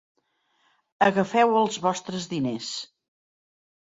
Agafeu els vostres diners.